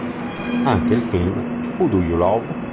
Anche il film "Who Do You Love?